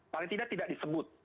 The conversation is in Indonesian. paling tidak tidak disebut